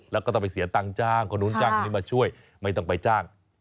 แล้วก็ต้องไปเสียตังค์จ้างคนนู้นจ้างคนนี้มาช่วยไม่ต้องไปจ้าง